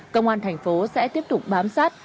công an thành phố sẽ tiếp tục bám sát